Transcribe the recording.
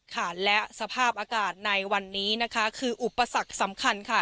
ค่ะและสภาพอากาศในวันนี้นะคะคืออุปสรรคสำคัญค่ะ